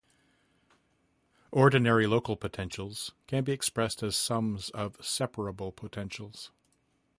Ordinary local potentials can be expressed as sums of separable potentials.